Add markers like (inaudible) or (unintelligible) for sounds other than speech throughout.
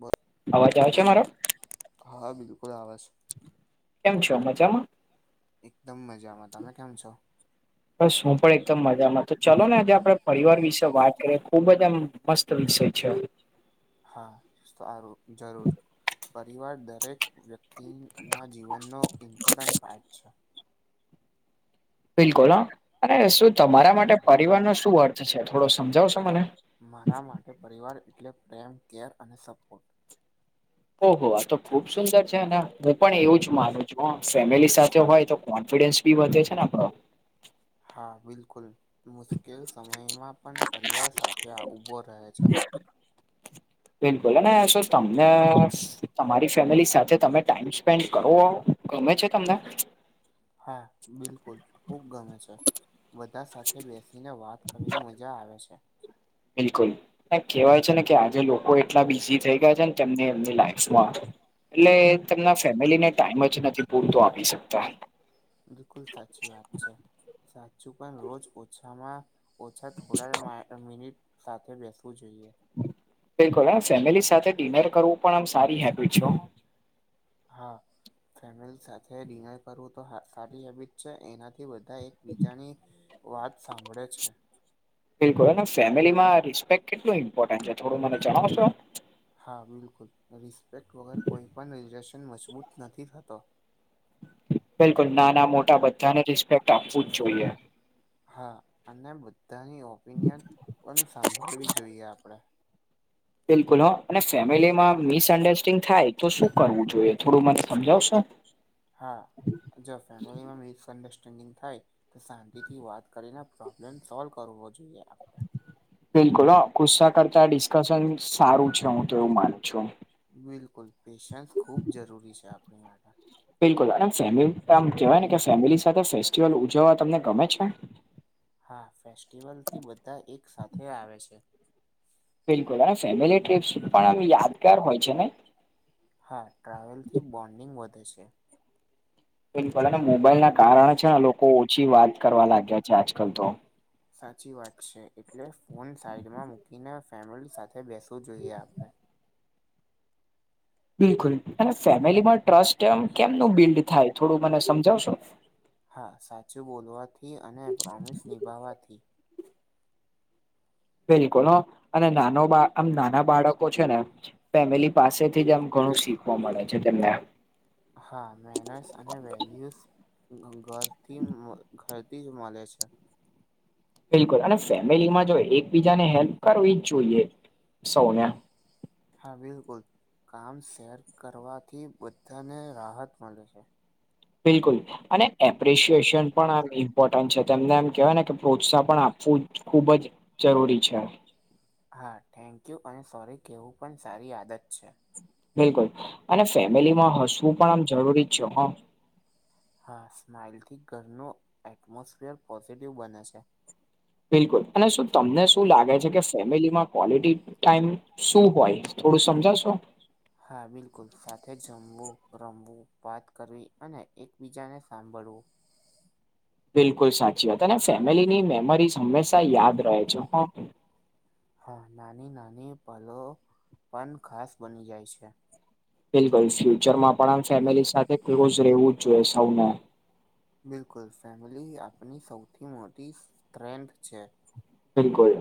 બો અવાજ આવે છે બોલો મારો હા બિલકુલ આવેશ કેમ છો મજામાં? એકદમ મજામાં, તમે કેમ છો? બસ હું પણ એકદમ મજામાં, તો ચલોને આજે આપડે પરિવાર વિશે વાત કરીએ, ખુબ જ આમ મસ્ત તો વિષય છે હા, સારુ, જરૂર પરિવાર દરેક વ્યક્ત ટી ના જીવનનો ઇમ્પોર્ટન્ટ પાર્ટ છે. બિલકુલ હા, અને શું તમારા માટે પરિવારનો શું અર્થ છે? થોડો સમજાવશો મને મારા માટે પરિવાર એટલે પ્રેમ, કેર અને સપોર્ટ. ઓહો, આ તો ખુબ સુંદર છેને, હું પણ એવું જ માનું છું હ ફેમિલી સાથે હોય તો કોન્ફિડન્સ ભી વધે છે ને આપડો. હા બિલકુલ, મુશ્કેલ સમયમાં પણ પરિવાર સાથે આ ઊભો રહે છે. બિલકુલ, અને શો તમને, તમારી ફેમિલી સાથે તમે ટાઈમ સ્પેન્ડ કરો? ગમે છે તમને? હા, બિલકુલ ખુબ ગમે છે. બધા સાથે બેસીને વાત કરીએ મજા આવે છે. બિલકુલ ના કેહેવાય છે ને, કે આજે લોકો એટલા બિઝી થઈ ગયા છે ને તેમની એમની લાઈફમાં એટલે તેમના ફેમિલીને ટાઈમ જ નથી પૂરતો આપી શકતા. બિલકુલ સાચી વાત છે સાચું પણ રોજ ઓછામાં ઓછા થોડા મિનિટ સાથે બેસવું જોઈએ બિલકુલ હ ફેમિલી સાથે ડિનર કરવું પણ આમ સારી હેબિટ છો હા ફેમીલી સાથે ડિનર કરવું તો સારી હેબિટ છે એનાથી બધા એક બીજાની વાત સાંભળે છે બિલકુલ અને ફેમિલીમાં રિસ્પેક્ટ કેટલું ઇમ્પોર્ટન્ટ છે થોડું મને જણાવશો હા બિલકુલ રિસ્પેક્ટ વગર કોઈ પણ રિલેશન મજબૂત નથી થતો બિલકુલ નાના મોટા બધાને રિસ્પેક્ટ આપવું જ જોઈએ હા અને બધાની ઓપિનિયન પણ સાંભાળવી જોઈએ આપણેે બિલકુલ હ અને ફેમિલીમાં મિસઅન્ડરસ્ટેન્ડિંગ થાય તો શું કરવું જોઈએ થોડું મને સમજાવશો હા જો ફેમિલીમાં મિસઅન્ડરસ્ટેન્ડિંગ થાય તો શાંતિ થી વાત કરીને પ્રોબ્લેમ સોલ્વ કરવો જોઈએ આપણે બિલકુલ હ ગુસ્સા કરતા ડિસ્કશન સારું છે હું તો એવું માનું છું બિલકુલ પેશન્સ ખુબ જરૂરી છે આપણી માટે બિલકુલ અને ફેમ આમ કેવાયને ફેમિલી સાથે ફેસ્ટિવલ ઉજવવા તમને ગમે છે હા ફેસ્ટિવલ થી બધા એક સાથે આવે છે બિલકુલ અને ફેમિલી ટ્રીપ્સ પણ આમ યાદગાર હોય છે ને હા ટ્રાવેલ થી બોન્ડિંગ વધે છે બિલકુલ મોબાઈલ ના કારણે છે ને લોકો ઓછી વાત કરવા લાગ્યા છે આજકાલ તો સાચી વાત છે એટલે ફોન સાઈડમાં મૂકીને ફેમિલી સાથે બેસવું જોઈએ આપણે બિલકુલ અને ફેમિલીમાં ટ્રસ્ટ એમ કેમનું બિલ્ડ થાય થોડું મને સમજાવશો હા સાચું બોલવાથી અને પ્રોમીસ નિભાવવાથી બિલકુલ હ અને નાનો બાળ આમ નાના બાળકો છે ને ફેમિલી પાસેથી જ આમ ઘણું શીખવા મળે છે તેમને હા મેનર્સ અને વેલ્યુઝ ઘરથી ઘરથી જ મળે છે બિલકુલ અને ફેમિલીમાં જો એકબીજાને હેલ્પ કરવી જ જોઈએ સૌને હા બિલકુલ કામ શેર કરવાથી બધાને રાહત મળે છે બિલકુલ અને એપ્રિશિએશન પણ આમ ઇમ્પોર્ટન્ટ છે તેમને એમ કહેવાય ને કે પ્રોત્સાહન પણ આપવું ખુબ જ જરૂરી છે હા થેન્ક યુ અને સોરી કેવું પણ સારી આદત છે બિલકુલ અને ફેમિલીમાં હસવું પણ આમ જરૂરી જ છે હા હા સ્માઈલ થી ઘરનું એટમોસફિયર પોઝિટિવ બને છે બિલકુલ અને શું તમને શું લાગે છે કે ફેમીલીમાં ક્લટી ટાઈમ શું હોય થોડું સમજાવશો હા બિલકુલ સાથે જમવું રમવું વાત કરવી અને એકબીજાને સાંભળવું બિલકુલ સાચી વાત અને ફેમિલીની મેમરીઝ હંમેશા યાદ રહે છે હકે હા નાની નાની પલો પણ ખાસ બની જાય છે બિલકુલ ફ્યુચર માં પણ ફેમિલી સાથે ક્લોઝ રહેવું જ જોઈએ સૌને બિલકુલ ફેમિલી આપની સૌથી મોટી સ્ટ્રેન્થ છે બિલકુલ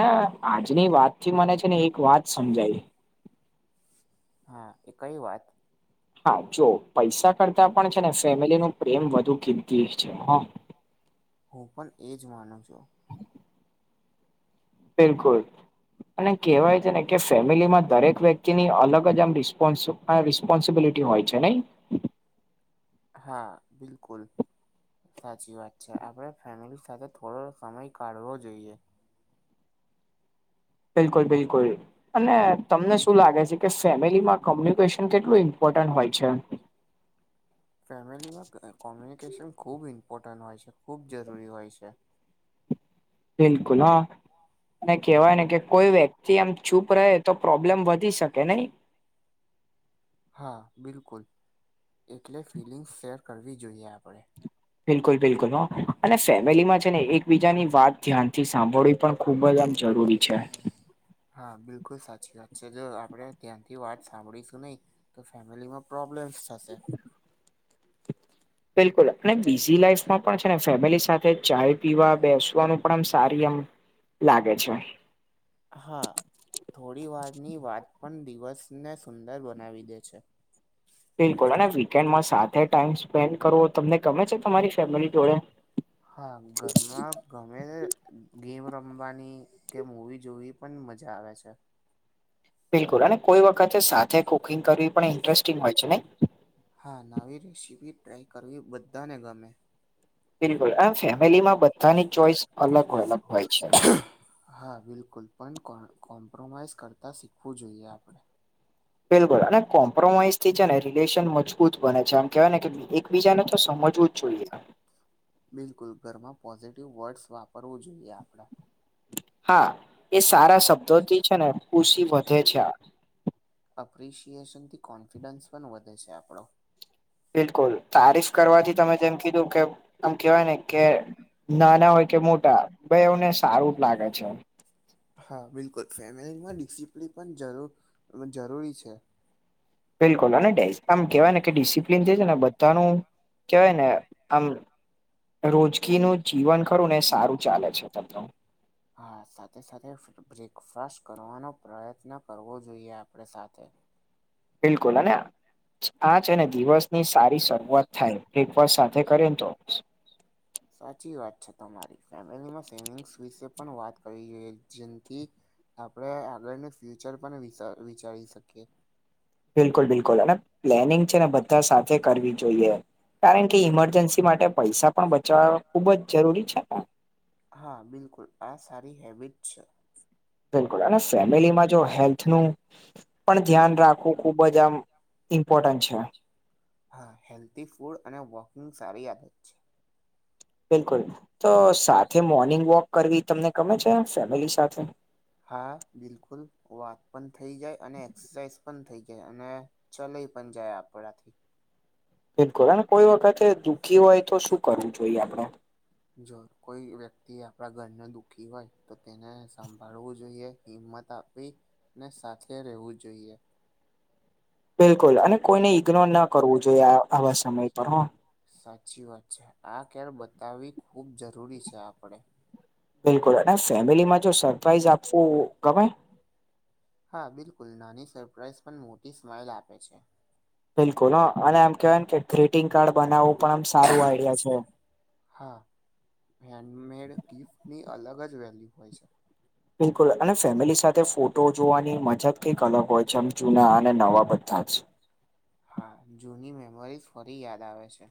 ના આજની વાત થી મને છે ને એક વાત સમજાય હા એ કઈ વાત હા જો પૈસા કરતા પણ છે ને ફેમિલી નું પ્રેમ વધુ કીતી છે હું પણ એજ માનું છું. બિલકુલ. અને કેહેવાય છે ને કે, ફેમિલીમાં દરેક વ્યક્તિની અલગ જ આમ રિસ્પોન્સ આ રિસ્પોન્સિબિલિટી હોય છે, નહી. હા, બિલકુલ. સાચી વાત છે, આપડે ફેમિલી સાથે થોડો સમય કાઢવો જોઈએ. બિલકુલ, બિલકુલ. અને તમને શું લાગે છે કે? ફેમિલીમાં કોમ્યુનિકેશન કેટલું ઇમ્પોર્ટન્ટ હોય છે? ફેમિલીમાં કોમ્યુનિકેશન ખૂબ ઇમ્પોર્ટન્ટ હોય છે, ખૂબ જરૂરી હોય છે. બિલકુલ, હા, અને કેહેવાય ને કે, કોઈ વ્યક્તિ આમ. ચૂપ રહે તો, પ્રોબ્લેમ વધી શકે નહી? હા, બિલકુલ એટલે ફિલિંગ્સ શેર કરવી જોઈએ આપણે. બિલકુલ, બિલકુલ, હ અને ફેમિલીમાં છે ને, એક બીજાની વાત ધ્યાનથી સાંભળવી પણ ખુબ જ આમ. જરૂરી છે. હા, બિલકુલ સાચી વાત છે, જો આપણે ધ્યાન થી વાત સાંભળીશું નહી તો ફેમિલીમાં પ્રોબ્લેમ્સ થશે. બિલકુલ, આપણે બીઝી લાઈફમાં પણ છે ને ફેમિલી સાથે, ચાય પીવા બેસવાનું. પણ આમ સારી એમ લાગે છે. હા, થોડી વારની વાત પણ દિવસને સુંદર બનાવી દે છે. બિલકુલ, અને વીકેન્ડમાં સાથે ટાઈમ સ્પેન્ડ કરવો, તમને ગમે છે તમારી ફેમિલી જોડે? હા, ઘરમાં ગમેતે ગેમ રમવાની. કે મુવી જોવી પણ મજા આવે છે. બિલકુલ, અને કોઈ વખતે સાથે કુકિંગ કરવી પણ ઇન્ટરેસ્ટિંગ હોય છે નઇ? હા, નવી રેસીપી ટ્રાય કરવી બધાને ગમે. બિલકુલ, આમ ફેમિલીમાં બધાની ચોઈસ અલગ-અલગ હોય છે. હા, બિલકુલ પણ કોન કોમ્પ્રોમાઈઝ કરતાં શીખવું જોઈએ આપણે. બિલકુલ, અને કોમ્પ્રોમાઈઝથી છે ને, રિલેશન મજબૂત બને છે, આમ કહેવાય એકબીજાને તો સમજવું. છોઈએ. બિલકુલ, ઘરમાં પોઝિટિવ વર્ડસ વાપરવું જોઈએ આપડે. હા, એ સારા શબ્દોથી છે ને, ખુશી વધે છે આ એપ્રિશિએશન થી કોન્ફિડન્સ પણ વધે છે, આપણો બિલકુલ, તારીફ કરવાથી તમે જેમ કીધું કે આમ કેવાય ને, કે નાના હોય કે, મોટા બેઉ ને સારું જ લાગે છે. હા, બિલકુલ ફેમિલીમાં ડિસિપ્લિન પણ જરૂ જરૂરી છે. બિલકુલ, અને ડેસ આમ કહેવાય ને કે ડિસિપ્લિન જે છે ને, બધાનું કેહેવાય ને આમ. રોજકીનું જીવન ખરું ને, એ સારું ચાલે છે. હા, સાથે-સાથે બ્રેકફાસ્ટ કરવાનો પ્રયત્ન કરવો જોઈએ, આપડે સાથે. બિલકુલ અને આ છે ને, દિવસની સારી શરૂઆત થાય, બ્રેકફાસ્ટ સાથે કરિયે ન તો. સાચી વાત છે, તમારી ફેમિલીમાં સેવિંગ્સ વિશે પણ વાત કરવી જોઈએ જેનાથી આપડે આગળનું ફ્યુચર પણ વિસા વિચારી શકીએ. બિલકુલ, બિલકુલ, અને પ્લેનિંગ છે ને, બધા સાથે કરવી જોઈએ. કારણ કે ઈમરજન્સી માટે પૈસા પણ બચાવવા ખુબ જ જરૂરી છે ને. હા, બિલકુલ આ સારી હેબિટ છે. બિલકુલ, અને ફેમિલીમાં જો હેલ્થનું પણ ધ્યાન રાખવું ખુબ જ આમ. ઇમ્પોર્ટેન્ટ છે. હા, હેલ્થી ફૂડ અને વોકિંગ સારી આદત છે. બિલકુલ, તો સાથે મોર્નિંગ વોક કરવી તમને ગમે છે ફેમિલી સાથે? હા, બિલકુલ વાત પણ થઈ જાય અને એક્સરસાઇઝ પણ થઈ જાય અને ચલાઈ પન જાય આપડા થી. (unintelligible) કોઈ વખતે દુઃખી હોય તો શું કરવું જોઈએ આપણે? જો કોઈ વ્યક્તિ આપણા ઘરનો દુઃખી હોય તો તેને સંભાળવું જોઈએ. હિંમત આપવી ને સાથે રહેવું જોઈએ. બિલકુલ અને કોઈને ઇગ્નોર ન કરવું જોઈએ આ આવા સમય પર હા. સાચી વાત છે, આ કેર બતાવવી ખૂબ જરૂરી છે આપણે. બિલકુલ અને ફેમિલીમાં જો સરપ્રાઈઝ આપવું ગમે? હા, બિલકુલ નાની સરપ્રાાઈઝ પણ મોટી સ્માઇલ આપે છે. બિલકુલ હ અને આમ કેહેવાય કે ગ્રીટિંગ કાર્ડ બનાવવું પણ આમ સારું આઈડિયા છે. હા, હેન્ડમેડ ગિફ્ટની અલગ જ વેલ્યુ હોય છે. બિલકુલ અને ફેમિલી સાથે ફોટો જોવાની મજા જ કંઈક અલગ હોય છે આમ જૂના અને નવા બધા જ. હા જૂની મેમરીઝ ફરી યાદ આવે છે.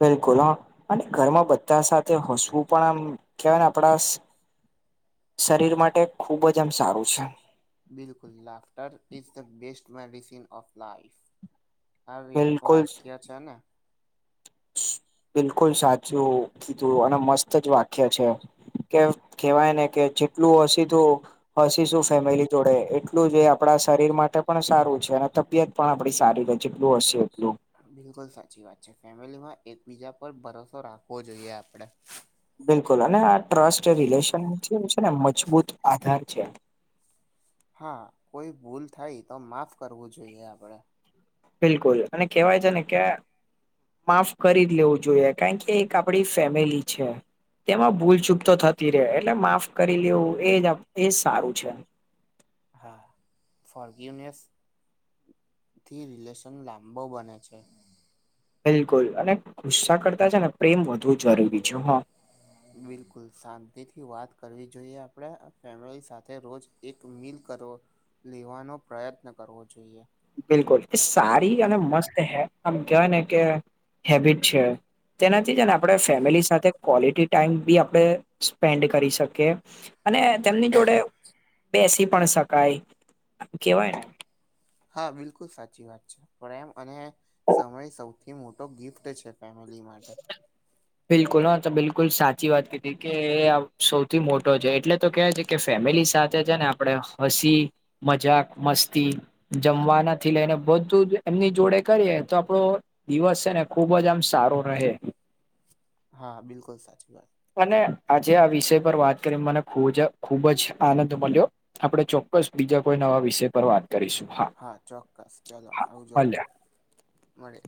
બિલકુલ હ. અને ઘરમાં બધા સાથે હસવું પણ આમ કેવાય ને આપણા શરીર માટે ખૂબ જ આમ સારું છે. બિલકુલ laughter is the best medicine of life. હા આબી એક બિલકુલ વાક્ય છે ને. બિલકુલ સાચું. કીધું અને મસ્ત જ વાક્ય છે કે કેહેવાય ને કે જેટલું હસીધું હસીશું ફેમિલી જોડે, એક એટલું જ આપણા શરીર માટે પણ સારું છે અને તબિયત પણ આપણી સારી રહે જેટલું હસીએ એટલું. બિલકુલ સાચી વાત છે, ફેમિલીમાં એકબીજા પર ભરોસો રાખવો જોઈએ આપડે. બિલકુલ અને આ ટ્રસ્ટ રિલેશન જે છેને મજબૂત આધાર છે. હા કોઈ ભૂલ થાય તો માફ કરવું જોઈએ આપડે. બિલકુલ અને કેહેવાય છે ને કે માફ કરી જ લેવું જોઈએ, કારણ કે એક આપડી ફેમિલી છે. તેમાં ભૂલચૂક તો થતી રે એટલે માફ કરી લેવું એ જ એ સારું છે. હા, ફોરગીવનેસ થી રિલેશન લાંબો બને છે. બિલકુલ અને ગુસ્સા કરતા છે ને પ્રેમ વધુ જરૂરી છે હોં. (inaudible) બિલકુલ શાંતિથી વાત કરવી જોઈએ આપડા ફેમલી સાથે રોજ એક મિલ કરવો. લેવાનો પ્રયત્ન કરવો જોઈએ. બિલકુલ એ સારી અને મસ્ત હે આમ કેવાય ને કે હેબિટ છે. તેનાથી જ ને આપણે ફેમિલી સાથે ક્વોલિટી ટાઈમ બી આપણે સ્પેન્ડ કરી શકીએ. અને તેમની જોડે બેસી પણ શકાય કેવાયને. હા બિલકુલ સાચી વાત છે, પ્રેમ અને સમય સૌ થી મોટો ગિફ્ટ છે ફેમિલી માટે. બિલકુલ હા તો બિલકુલ સાચી વાત કીધી કે સૌથી મોટો છે એટલે તો કેવાય કે કે ફેમિલી સાથે છે ને આપણે હસી, મજાક, મસ્તી જમવાનાથી લઈને બધું જ એમની જોડે કરીએ તો આપડો દિવસ છે ને ખુબ જ આમ સારો રહે. હા બિલકુલ સાચી વાત. અને આજે આ વિષય પર વાત કરીને મને ખૂજ ખુબ જ આનંદ મલ્યો. આપણે ચોક્કસ બીજા કોઈ નવા વિષય પર વાત કરીશું. હા ચોક્કસ ચાલો આવજો ભલે મળીએ.